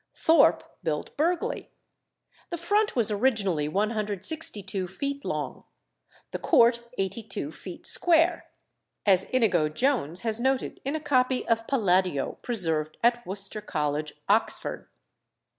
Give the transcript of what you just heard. Thorpe built Burghley. The front was originally 162 feet long, the court 82 feet square; as Inigo Jones has noted in a copy of Palladio preserved at Worcester College, Oxford.